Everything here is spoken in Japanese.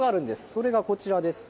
それがこちらです。